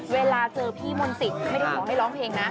เวลาเจอพี่มนต์สิทธิ์ไม่ได้ขอให้ร้องเพลงนะ